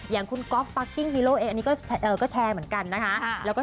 อย่างคุณก๊อฟฟักกิ้งฮีโร่เองอันนี้ก็แชร์เหมือนกันนะคะ